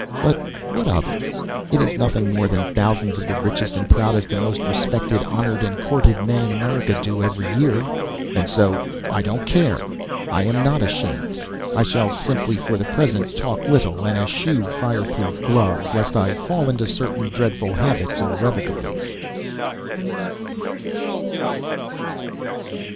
But what of it? It is nothing more than thousands of the richest and proudest, and most respected, honored, and courted men in America do every year. And so I don't care. I am not ashamed. I shall simply, for the present, talk little and eschew fire proof gloves, lest I fall into certain dreadful habits irrevocably.